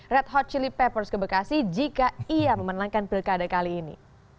red hot chili peppers ke bekasi jika ia memenangkan pilkada kali ini